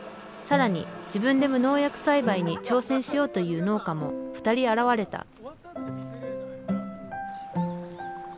さらに自分で無農薬栽培に挑戦しようという農家も２人現れた。